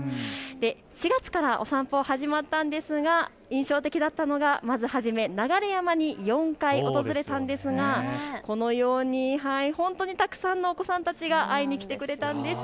４月からお散歩が始まったんですが、印象的だったのがまず流山に４回訪れたんですが、このように本当にたくさんのお子さんたちが会いに来てくれたんです。